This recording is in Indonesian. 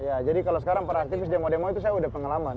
ya jadi kalau sekarang para aktivis demo demo itu saya udah pengalaman